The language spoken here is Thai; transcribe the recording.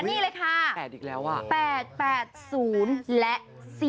นี่แหละค่ะ๘๘๐และ๔๕